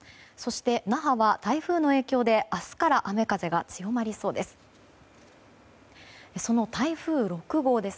那覇は台風の影響で明日から雨風が強まりそうです。